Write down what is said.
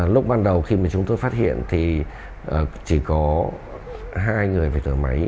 lúc ban đầu khi mà chúng tôi phát hiện thì chỉ có hai người phải thở máy